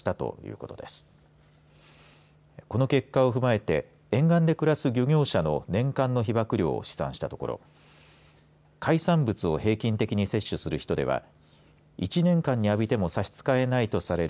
この結果を踏まえて沿岸で暮らす漁業者の年間の被ばく量を試算したところ海産物を平均的に摂取する人では１年間に浴びても差し支えないとされる